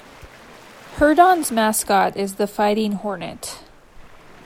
Herndon's mascot is the Fighting Hornet.